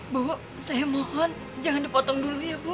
buwo saya mohon jangan dipotong dulu ya bu